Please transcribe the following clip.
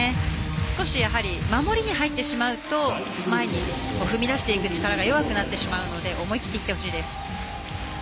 少しやはり守りに入ってしまうと前に踏み出していく力が弱くなってしまうので思い切っていってほしいです。